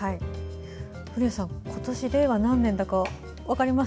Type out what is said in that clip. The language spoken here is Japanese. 古谷さん、今年令和何年だかわかります？